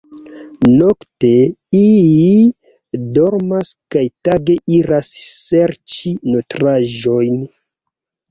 Nokte iii dormas kaj tage iras serĉi nutraĵojn.